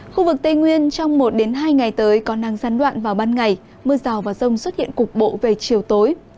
khu vực tây nguyên trong một hai ngày tới có năng gián đoạn vào ban ngày mưa rào và rông xuất hiện cục bộ về chiều tối